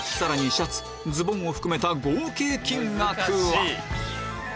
シャツズボンを含めた合計金額は？